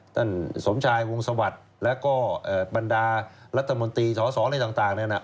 คุณสมชายวงศวรรษแล้วก็บรรดารัฐมนตรีสสอะไรต่างนี่นะ